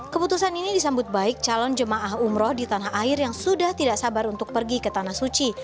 keputusan ini disambut baik calon jemaah umroh di tanah air yang sudah tidak sabar untuk pergi ke tanah suci